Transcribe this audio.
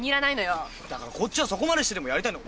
だからこっちはそこまでしてでもやりたいんだ。